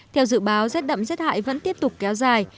theo dự báo rét đậm rét hại vẫn tiếp tục kéo dài